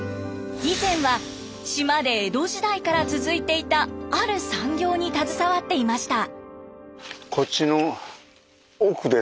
以前は島で江戸時代から続いていたある産業に携わっていました。